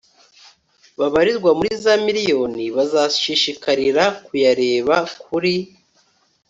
babarirwa muri za miriyoni bazashishikarira kuyareba kuri